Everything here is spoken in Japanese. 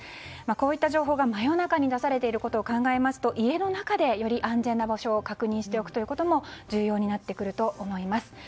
こういった情報が真夜中に出されていることを考えますと家の中でより安全な場所を確認しておくことも重要になってくると思います。